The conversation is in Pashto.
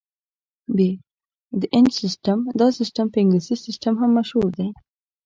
ب - د انچ سیسټم: دا سیسټم په انګلیسي سیسټم هم مشهور دی.